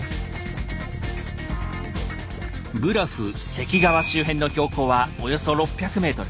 関川周辺の標高はおよそ６００ｍ。